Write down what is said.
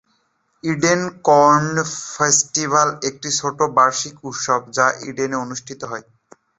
Eden corn festival একটি ছোট বার্ষিক উৎসব যা ইডেনে অনুষ্ঠিত হয়।